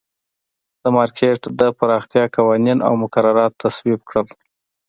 د مارکېټ د پراختیا قوانین او مقررات تصویب کړل.